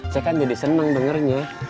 saya kan jadi seneng dengernya